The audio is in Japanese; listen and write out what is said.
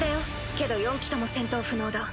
けど４機とも戦闘不能だ。